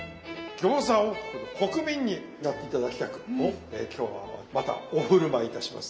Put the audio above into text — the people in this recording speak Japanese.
餃子王国の国民になって頂きたく今日はまたお振る舞いいたします。